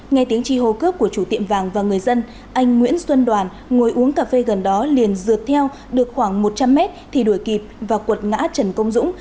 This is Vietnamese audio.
nghe tiếng chi hô cướp của chủ tiệm vàng và người dân anh nguyễn xuân đoàn ngồi uống cà phê gần đó liền dượt theo được khoảng một trăm linh mét thì đuổi kịp và quật ngã trần công dũng